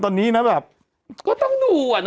สวัสดีครับคุณผู้ชม